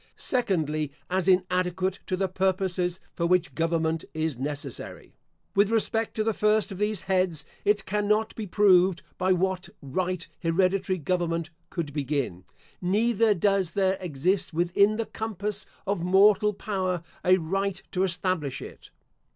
Secondly, As inadequate to the purposes for which government is necessary. With respect to the first of these heads It cannot be proved by what right hereditary government could begin; neither does there exist within the compass of mortal power a right to establish it.